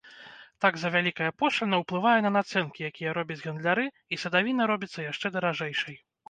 Так завялікая пошліна ўплывае на нацэнкі, якія робяць гандляры, і садавіна робіцца яшчэ даражэйшай.